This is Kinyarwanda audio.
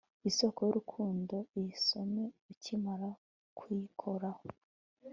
Isoko yurukundo iyisome ukimara kuyikoraho